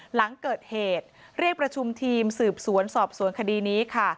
หลังเกิดเหตุเรียกประชุมทีมสืบสวนสอบสวนคดีนี้ค่ะ